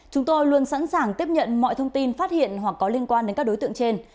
chúng tôi luôn sẵn sàng tiếp nhận mọi thông tin phát hiện hoặc có liên quan đến các đối tượng trên